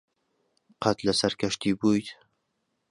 قەت لەسەر کەشتی بوویت؟